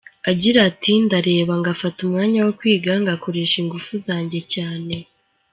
Agira ati “Ndareba ngafata umwanya wo kwiga, ngakoresha ingufu zanjye cyane.